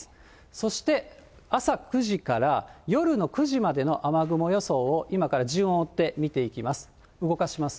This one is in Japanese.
そして朝９時から夜の９時までの雨雲予想を今から順を追って見ていきます。